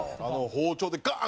包丁でガン！